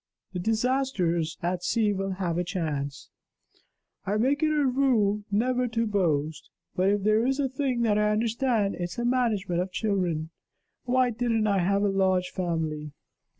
the 'Disasters at Sea' will have a chance. I make it a rule never to boast; but if there is a thing that I understand, it's the management of children. Why didn't I have a large family?"